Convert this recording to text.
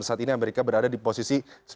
saat ini amerika berada di posisi sembilan belas